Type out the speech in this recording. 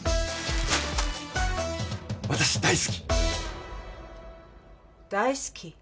私大好き。